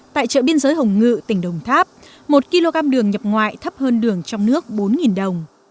tại chợ biên giới hồng ngự tỉnh đồng tháp một kg đường nhập ngoại thấp hơn đường trong nước bốn đồng